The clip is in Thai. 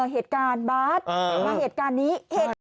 เหตุการณ์บาสมาเหตุการณ์นี้